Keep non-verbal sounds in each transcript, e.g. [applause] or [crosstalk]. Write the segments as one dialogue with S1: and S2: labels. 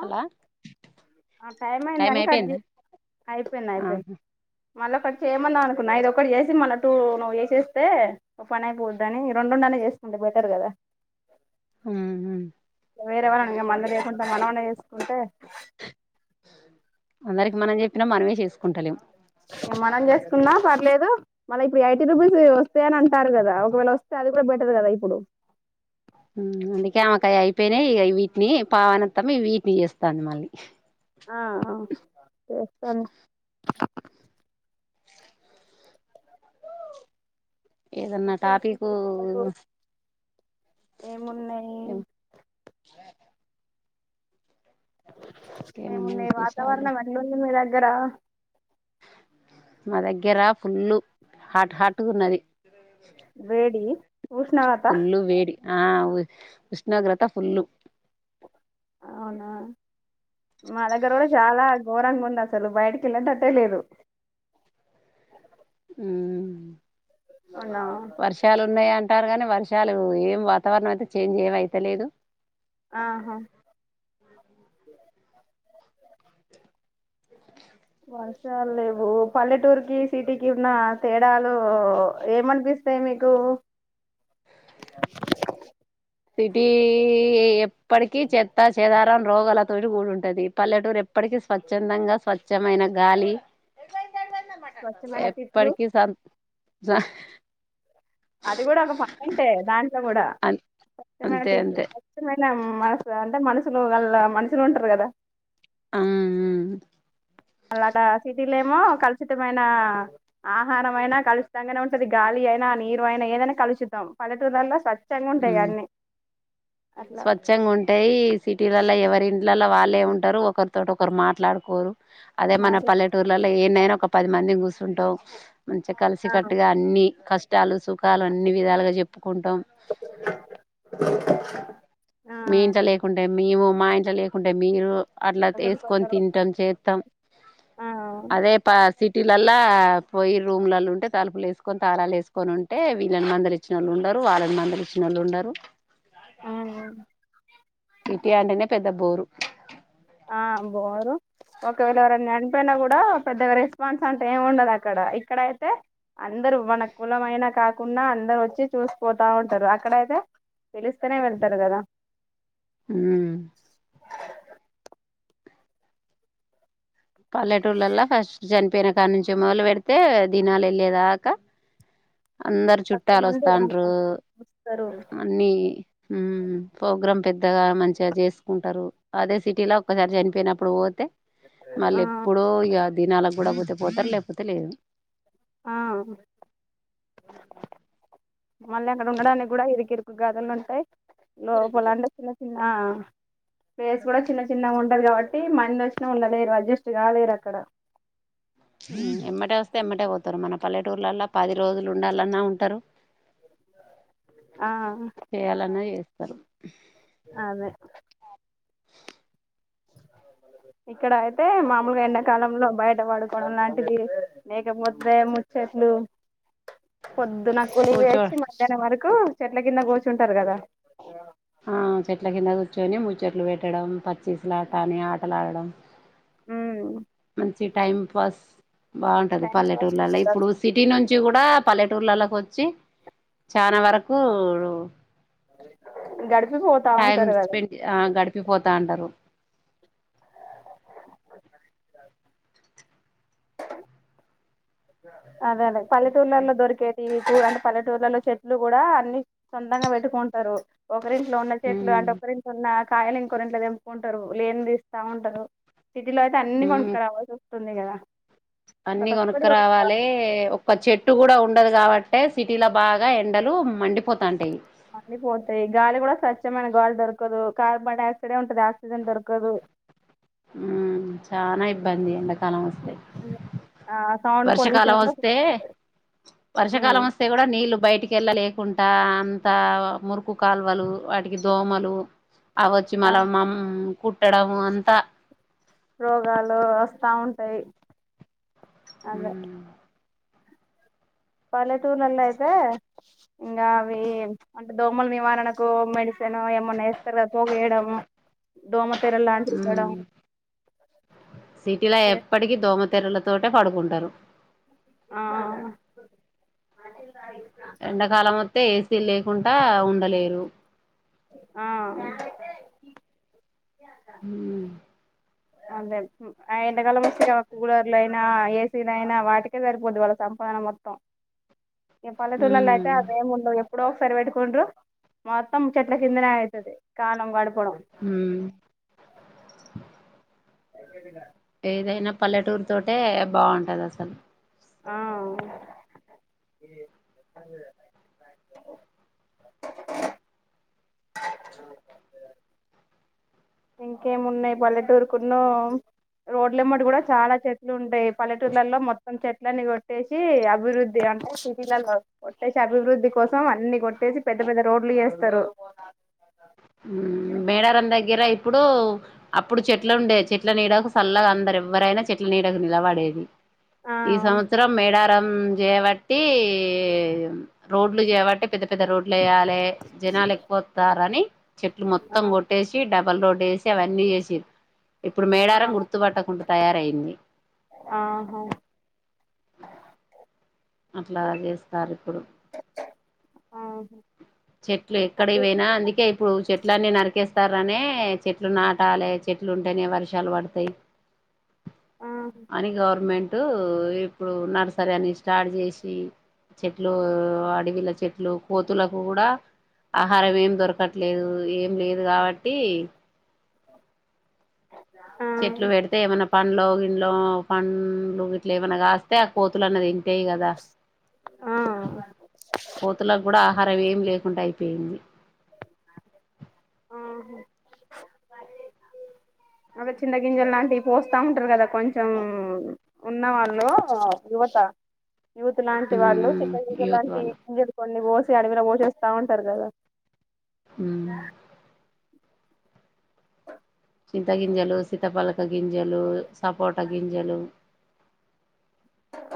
S1: హలా
S2: ఆ టైం అయిందని కట్జే అయిపోయింది అయిపోయింది మళ్ళ ఒకటి చేయమందం అనుకున్న ఇదొక్కటి చేసి మళ్ళ టూ నువ్ చేసేస్తే, ఓ పని అయిపోద్దనీ రెండుండన్. చేసుకుంటే బెటర్ గదా
S1: ఊహు
S2: వేరేవ్వరనా ఇంగ మంది లేకుంటే మనమన్న ఏసుకుంటే
S1: అందరికి మనం చెప్పినం, మనమే చేసుకుంటలేం.
S2: మనం చేసుకున్నా పర్లేదు మళ్ళ ఇప్పుడు ఎయిటీ రూపీస్ ఒస్తాయనంటారు గదా, ఒకవేళ ఒస్తే అది గూడా బెటర్ గదా ఇప్పుడు.
S1: ఊమ్ అందుకే ఆమెకు అయ్ అయిపోయినయ్ ఇగ ఇవిట్నీ పావనత్తమ్మ ఈ వీట్ని చేస్తాంది మళ్ళీ.
S2: ఆ ఆ చేస్తన్
S1: ఏదన్న టాపికూ
S2: ఏమున్నయ్
S1: ఏమన్నా
S2: ఏమున్నయ్
S1: విశేషాలు
S2: వాతావరణం ఎట్లుంది మీ దగ్గర
S1: మా దగ్గర ఫుల్లు హాట్ హాట్ గున్నది
S2: ఉష్ణవత
S1: ఆ అవ్వు ఉష్ణోగ్రత ఫుల్లు
S2: అవునా మా దగ్గర గూడా చాలా ఘోరంగ ఉంది అసలు, బయటికి ఎళ్ళేటట్టే లేదు.
S1: ఊ
S2: మొన్న
S1: వర్షాలు ఉన్నాయంటారు గాని వర్షాలు ఏం వాతావరణం అయితే చేంజ్ ఏం అయితలేదు
S2: ఆహ పరిసరాలు లేవు. పల్లెటూరుకిి సిటీకిి ఉన్న తేడాలు ఏమనిపిస్తయి మీకు? కు
S1: సిటీ ఎప్పటికీ చెత్త చెదారం రోగాలత్ తోటి కూడా ఉంటది, పల్లెటూరు ఎప్పటికి స్వచ్ఛందంగా స్వచ్ఛమైన గాలి
S2: స్వచ్ఛమైన తిట్లు
S1: ఎప్పటికి సం
S2: అది కూడా ఒక పాయింటే దాంట్లో కూడా. స్వచ్ఛమైన
S1: అంతే
S2: టీచ,
S1: అంతే
S2: స్వచ్ఛమైన మనసు అంటే మనుషులు గళ్ళ మనుషులు ఉంటరు కదా.
S1: ఆఆ
S2: అలాగ సిటీలేమో కలుషితమైన, ఆహారం అయినా కలుషితంగనే ఉంటంది గాలి అయినా నీరు అయినా, ఏదైనా కలుషితం పల్లెటూరు లల్లా స్వచ్
S1: ఉమ్
S2: అట్లా
S1: స్వచ్ఛంగా ఉంటయి, సిటీలల్లా ఎవరింట్లలల్లా వాళ్ళు లే ఉంటరు, ఒకరితోటి ఒకరు మాట్లాడుకోరు, అదే మన
S2: మాట్లా
S1: పల్లెటూర్లల్ల ఇట్ల ఏన్నైనా ఒక పది మందిమి కూసుంటం, మంచిగా కలిసి
S2: ఆ
S1: కట్టుగా అన్ని కష్టాలు సుఖాలు అన్ని విధాలుగా చెప్పుకుంటాం.
S2: ఆ
S1: మీము మా ఇంట్ల లేకుంటే మీరు అట్ల
S2: ఒకటి
S1: తేసుకొని
S2: కొత్తరు
S1: తింటం చేత్తం
S2: ఆ
S1: అదే ప సిటీలల్ల పోయి రూమ్లలో ఉంటే తలుపులు ఏసుకొని, తాళాలు ఏసుకొని ఉంటే, వీళ్ళని మందలిచ్చిన వాళ్ళు ఉం ఉండరు వాళ్ళని మందలిచ్చినోళ్ళు ఉండరు
S2: ఉమ్
S1: సిటీ అంటేనే పెద్ద బోరు
S2: ఆ బోరు ఒకవేళ ఎవరన్న చడిపోయిన గుడ పెద్దగా రెస్పాన్స్ అంత ఏం ఉండదు అక్కడ, ఇక్కడ అయితే అందరు మన కులమయినా కాకున్నఅందరు వచ్చి చూసిపోతా ఉంటరు, అక్కడయితే తెలుస్తేనే వెళ్తరు కదా.
S1: ఉమ్ పల్లెటూళ్లలో ఫస్ట్ చనిపోయిన కాడి నుంచి మొదలు పెడితే దినాల ఎల్లేదాకా అందరు
S2: పక్క
S1: చుట్టాలు
S2: నుండి
S1: వస్తాండ్రు
S2: వస్తారు
S1: అన్ని ఉమ్ ప్రోగ్రాం పెద్ పెద్దగా మంచిగా చేసుకుంటరు, అదే సిటీల ఒక్కసారి చనిపోయినప్పుడు పోతే
S2: ఆ
S1: మళ్ళీ ఎప్పుడో ఇగ దినాలకు కూడా గుడ పోతే పోతరు లేకపోతే లేదు.
S2: ఆ మళ్ళీ అక్కడ ఉండడానికి కూడా ఇరుకు ఇరుకు గదులు ఉంటయి. లో పోలండ చిన్న చిన్న ప్లేస్ కూడా చిన్న చిన్నగా ఉంటది కాబట్టి, మంది వచ్చినా ఉండలేరు అడ్జస్ట్ గాలేరక్కడ.
S1: ఎంబటె వస్తే ఎంబటె పోతరు, మన పల్లెటూర్లలా పది రోజులు ఉండాలన్నా ఉంటరు.
S2: ఆ
S1: తరు
S2: అదే ఇక్కడ అయితే మామూలుగా ఎండాకాలంలో బయట పడుకోవడం లాంటిది, లేకపోతే ము చెట్లు పొద్దున కూలికి
S1: కూర్చో
S2: పోయోచ్చి మధ్యాహ్నం వరకు, చెట్ల కింద కూర్చుంటరు కదా.
S1: ఆ చెట్ల కింద కూర్చొని ముచెట్లు పెట్టడం, పచ్చీసులాటని ఆటలాడడం.
S2: ఉమ్
S1: మంచి టైమ్ పాస్. బాగుంటది
S2: టైం
S1: పల్లెటూర్లల్ల,
S2: పాస్
S1: ఇప్పుడు సిటీ నుంచి కూడా పల్లెటూర్లల్లకొచ్చి చానా వరకు రు
S2: గడిపిపోతా
S1: టైం
S2: ఉంటారు కదా
S1: స్పెండ్ ఆ గడిపిపోతా ఉంటారు
S2: అదే అదే పల్లెటూర్లలో దొరికేది అంటే పల్లెటూర్లలో చెట్లు కూడా అన్ని సొంతంగా పెట్టుకుంటారు ఒకరింట్లో ఉన్న చెట్లు
S1: ఉమ్
S2: అంటే ఒకరింట్లో ఉన్న కాయలు ఇంకోరి ఇంట్లో తెంపుకుంటారు లేనిది ఇస్తా ఉంటారు సిటీ లో అయితే అన్ని
S1: ఉమ్
S2: కొనుక్కు రావాల్సి వస్తుంది కదా
S1: అన్ని
S2: ప్రతి ఒక్కటి
S1: కొనుక్కు
S2: కొనుక్కోవాలి
S1: రావాలే ఓక చెట్టు కూడా ఉండదు కాబట్టే సిటీ లో బాగా ఎండలు మండి
S2: మండిపోతాయి గాలి కూడా స్వచ్ స్వచ్చమైన గాలి దొరకదు కార్బన్ డైఆక్సైడే ఉంటాది ఆక్సిజన్ దొరకదు
S1: మ్మ్ చానా ఇబ్బంది ఎండాకాలం వస్తే
S2: ఆ సౌండ్ పొల్యూషన్
S1: వర్షాకాలం
S2: కూడా
S1: వస్తే వర్షాకాలం
S2: ఉమ్,
S1: వస్తే కూడా నీ నీళ్ళు బయటికేళ్ళలేకుండా అంత మురుకు కాల్వలు వాటికి దోమలు అవి వచ్చి
S2: ఆ
S1: మళ్ళ మమ్ కుట్టడం అంతా
S2: రోగాలు వస్తా ఉంటాయి అదే
S1: మ్మ్
S2: పల్లెటూర్లలో అయితే ఇంకా అవి అంటే దోమలు నివారణకు మెడిసి తేనె ఏమన్నా వేస్తారు కాద పోగ వేయడం దోమతేర లాంటివి వేయ్యడం
S1: సిటీలా ఎప్పటికీ దోమతెరలతోటే పడుకుంటారు
S2: ఆ
S1: ఎండాకాలం వత్తే ఏసీలు లేకుంటా ఉండలేరు
S2: ఆ
S1: మ్మ్
S2: అదే ఆ ఎండాకాలం వచ్చే ఇగ ఆ కూలర్లు అయినా ఏసీలయినా వాటికే సరిపోద్ది వాళ్ళ సంపా మొత్తం ఈ పల్లెటూర్లలో అయితే
S1: మ్మ్
S2: అదేమ్ ఉండదు ఎప్పుడో ఒకసారి పెట్టుకుంట్రు మొత్తం చెట్ల కిందనే అయితాది కాలం గడపడం
S1: మ్మ్
S2: నైటే తిన్నా
S1: ఏదైనా పల్లెటూరు తోటే బాగుంటది అసలు
S2: ఆ ఇంకేం ఉన్నాయి పల్లెటూరుకున్న రోడ్లె ఎంబెటా కూడా చాలా చెట్లు ఉంటాయి పల్లెటూర్లలో మొత్తం చెట్లన్ని కొట్టేసి అభివృద్ధి కొట్టేసి అభివృద్ధి కోసం మెత్తం అన్ని కొట్టేసి పెద్ద పెద్ద రోడ్లు చేస్తరు
S1: మేడారం దగ్గర ఇప్పుడు అప్పుడు చెట్లు ఉండే చెట్ చెట్ల నీడకు చల్లగా అందరు ఎవ్వరైనా చెట్ల నీడకు నిలబడేది
S2: ఆ
S1: ఈ సంవత్సరం మేడార మ్మ్ చేయబట్టి రోడ్లు చేబట్టి పెద్ద పెద్ద రోడ్ లేయాలే జనాలు ఎక్కువత్తారని చెట్లు మొత్తం
S2: ఆ
S1: కొట్టేసి డబల్ రోడ్ ఏసి అవన్నీ చేసి ఇప్పుడు
S2: ఆ
S1: మేడారం గుర్తుపట్టకుండా తయారయింది
S2: చ్
S1: ఇట్లా చేస్తారు ఇప్పుడు చెట్లు ఎక్కడకి పోయినా అందుకే ఇప్పుడు చెట్లన్నీ నరికేస్తారనే చెట్లు నాటాలే చెట్లు ఉంటేనే వర్షాలు పడతాయి
S2: ఆ
S1: అది గవర్నమెంట్ ఇప్పుడు నర్సరీ అని స్టార్ట్ చేసి చెట్లు అడవిలో చెట్లు కోతులకు కూడా ఆహారం ఏం దొరకట్లేదు ఏం లేదు కాబట్టి
S2: చ్
S1: చెట్లు పెడితే ఏమైన్నా పండ్లొ గిడ్లొ ఆ పండ్లు ఇట్ల ఏమన్నా కాస్తే ఆ కోతులు అన్న దిన్
S2: ఆ
S1: కోతులకు కూడా ఆహారం అవేం లేకుండా అయిపోయింది
S2: ఆహ అ చిన్న గింజలు లాంటివి పోస్తా ఉంటారు కదా కొంచెం ఉన్నవాళ్ళు ఇవతల ఆంటీ వాళ్ళు చిన్న గింజలు
S1: యూత్
S2: లాంటి
S1: వాళ్ళు
S2: గింజలు కొన్ని పో అడవిన పోసి వస్తా ఉంటారు కదా
S1: ఉమ్ త్త గింజలు సపోట గింజలు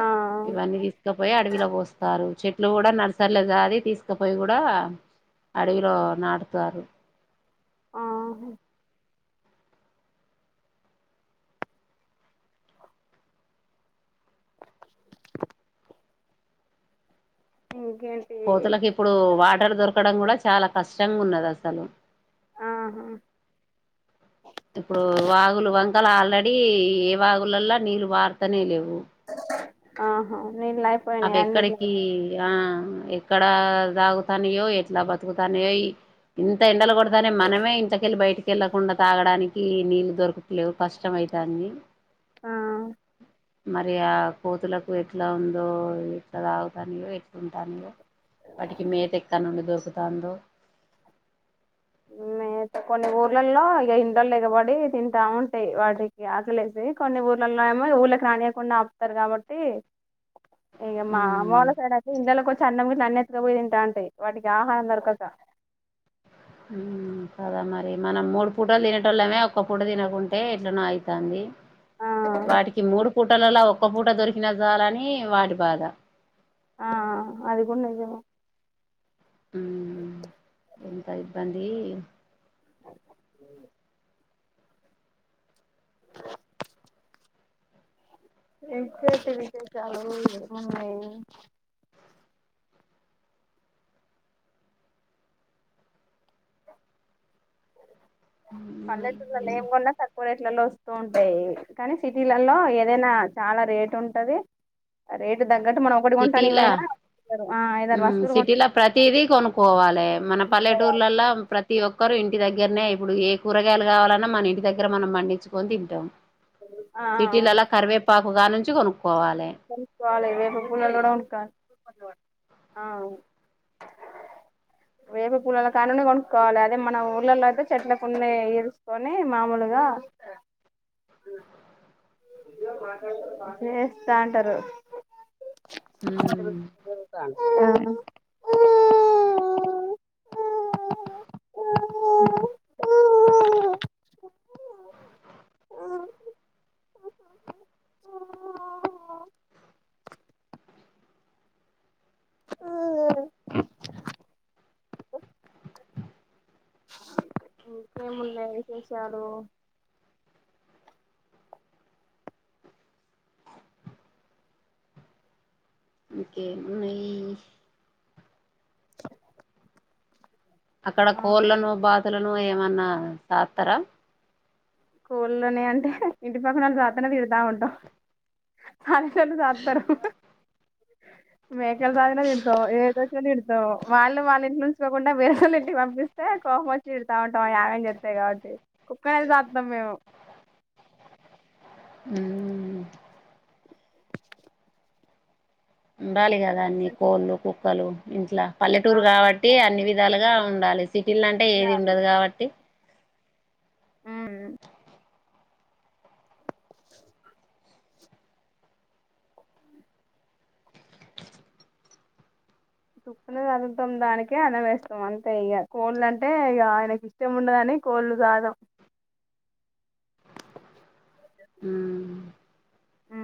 S2: ఆ
S1: ఇవన్నీ తీసుకపోయి అడవిలో పోస్తారు చెట్లులో కూడా నర్సర్లేగా అది తీసుకపోయి కూడా అడవిలో నాటతారు
S2: ఆ చ్ ఏయ్
S1: కోతులలకు ఇప్పుడు వాటర్ దొరకడం కూడా చాలా కష్టంగా ఉన్నది అసలు
S2: ఆహా
S1: ఇప్పుడు వాగులు వంకలు ఆల్రెడీ ఏ వాగులలా నీళ్లు పారుతనే లేవు
S2: ఆహా నీళ్ళు
S1: అవి
S2: అయిపోయినాయి అన్నిట్లలో
S1: ఎక్కడికి ఆ ఎక్కడ తాగుతానియో ఎట్లా బతుకుతానియోయి ఇంత ఎండలు కొడతనే మనమే ఇంతకెళ్ళి బయటికి వెళ్ళకుండా తాగడానికి నీళ్ళలు దొరకలేవు కష్టమై తాంది
S2: ఆ
S1: మరి ఆ కోతులకు ఎట్లా ఉందో ఎట్లా తాగుతానియో ఎట్లాంటానియో వాటికి మేత ఎక్క నుండి దొరుకుతందో
S2: ఉ కొన్ని ఊర్లలో ఇగా ఇండ్లలో ఎకబడి తింటా ఉంటాయి వాటికి ఆకలేసి కొన్ని ఊర్ల ఏమో ఊళ్ళకి రానియకుండా ఆపుతారు కాబట్టి ఏమ్ అమ్ళ
S1: ఉమ్
S2: వల్ల సైడ్ అయితే ఇండ్లలకి వచ్చీ అన్నం నాన్నెతకపోయి తింటా అంటే వాటికి ఆహారం దొరకక
S1: కదా మరి మనం మూడు పూటలు తినేట వాళ్ళమే ఒక్క పూట తినకుంటే ఇట్ననో అవుతుంది
S2: ఆ
S1: వాటికి మూడు పూటలలా ఒక్క పూట దొరికిన చాలని వాటి బాధ
S2: ఆ అది కూడా నిజం
S1: ఎంత ఇబ్బంది
S2: చ్ ఇక వితే చాలన్నా [inaudible] పల్లెటూర్లలో ఏంకోన్నా తక్కువ రేట్లలో వస్తూ ఉంటాయి కానీ సిటీలలో ఏదైనా చాలా రేట్ ఉంటది రేటు తగ్గట్టు మనం ఒకటి కొంటాను ఏవైనా
S1: సిటీలో ప్రతిదీ కొనుక్కోవాలి మన
S2: కొనుక్కోవాలి
S1: పల్లెటూర్లలో ప్రతి ఒక్క ఒక్కరు ఇంటి దగ్గరనే ఇప్పుడు ఏ కూరగాయలు కావాలన్నా మన ఇంటి దగ్గరనం పండించుకని తింటాం
S2: ఆ ఆ
S1: సిటీలలా కరివేపాకు కా నుంచి కొనుక్
S2: ఆ [unintelligible] ల వేపు పుల్ల కూడా కొనుకో వేప పూల్లల కానుండి కొనుక్కోవాలి అదే మన ఊళ్ళలో అయితే చెట్లకున్న ఈరుసుకొని మామూలుగా చేస్తా అంటారు అ
S1: ఉమ్
S2: [unintelligible] ఆ ఉ ఊ ఉ ఉ ఊ ఆఓ ఆ ఇంకేమున్నాయి విశేషాలు
S1: ఒకే అక్కడ
S2: ఆ
S1: కోళ్ళలను బాతులను ఏమన్నా సకుతర
S2: కోళ్లనే అంటే ఇంటి పక్కన వాళ్ళ శాతనే తిడతా ఉంటాం అస్సలు సాత్తరు మేకల రాజునే తిడతావా ఏ తిడతాం వాళ్ళు వాళ్ళ ఇంట్లో ఉంచుకోకుండా వేరేటోళ్ళ ఇంటి పంపిస్తే కోపం వచ్చి తిడతా ఉంటాం అయి ఆగం చేస్తే ఏ జాతి కుక్కలను సాతం మేము
S1: ఊ ఉండాలి కదా అన్ని కోళ్ళు కుక్కలు ఇంట్లా
S2: ఆ
S1: పల్లెటూరు కాబట్టి అన్ని విధాలుగా ఉండాలి సిటీల అంటే ఏది
S2: ఉండాలి
S1: ఉండదు కాబట్టి
S2: మ్మ్ కుక్కలను చదుతాం దానికి అన్నం వేస్తాం అంతే ఇగ కోళ్లు అంటే ఇగ ఆయనకి ఇష్టం ఉండదని కోళ్లు సాధం
S1: ఉహు
S2: ఊ